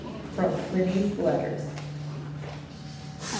[From Pliny's Letters.